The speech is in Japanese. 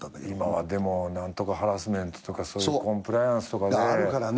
今はでも何とかハラスメントとかコンプライアンスとかで。